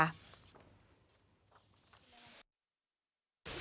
เพิ่มที่หาชูชีพไปเถอะค่ะ